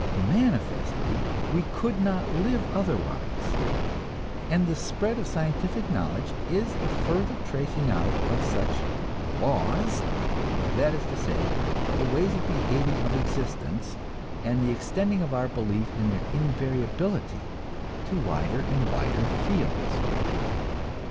Manifestly, we could not live otherwise, and the spread of scientific knowledge is the further tracing out of such "laws" that is to say, the ways of behaving of existence and the extending of our belief in their invariability to wider and wider fields.